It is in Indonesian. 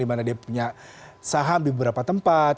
dimana dia punya saham di beberapa tempat